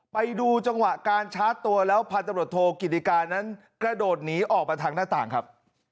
ไปดูจังหวะการชาร์จตัวแล้วพันตำรวจโทกิติการนั้นกระโดดหนีออกมาทางหน้าต่างครับ